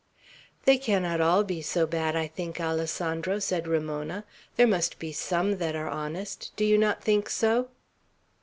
"They cannot all be so bad, I think, Alessandro," said Ramona. "There must be some that are honest; do you not think so?"